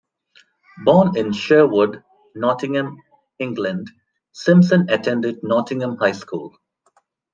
Born in Sherwood, Nottingham, England, Simpson attended Nottingham High School.